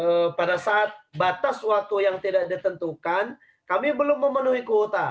sehingga pada saat itu kami melakukan rekrutmen pada saat batas waktu yang tidak ditentukan kami belum memenuhi kuota